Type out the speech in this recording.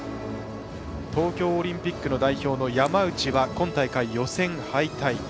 東京オリンピック代表の山内は今大会予選敗退。